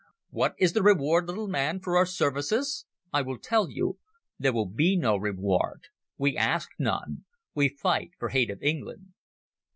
What is the reward, little man, for our services? I will tell you. There will be no reward. We ask none. We fight for hate of England."